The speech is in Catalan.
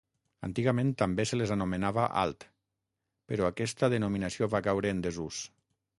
Antigament també se les anomenava alt, però aquesta denominació va caure en desús.